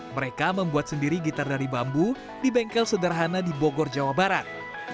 mereka membuat sendiri gitar dari bambu di bengkel sederhana di bogor jawa barat